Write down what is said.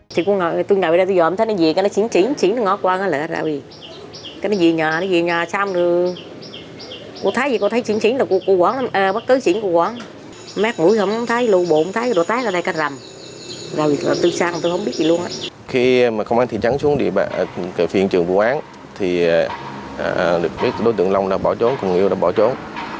khi công an thị trắng xuống phiên trường vụ án được biết đối tượng long đã bỏ trốn cùng người yêu đã bỏ trốn